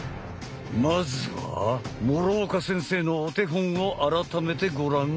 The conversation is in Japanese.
まずは諸岡先生のお手本を改めてご覧あれ。